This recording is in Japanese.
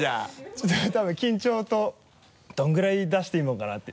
ちょっと多分緊張とどれぐらい出していいもんかなって。